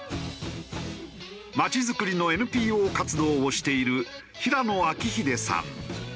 まちづくりのＮＰＯ活動をしている平野彰秀さん。